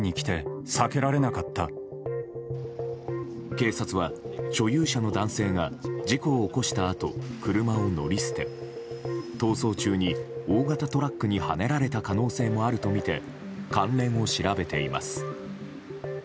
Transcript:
警察は、所有者の男性が事故を起こしたあと車を乗り捨て、逃走中に大型トラックにはねられた可能性もあるとみて関連を調べています。